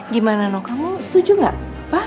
gimana nok kamu setuju nggak pak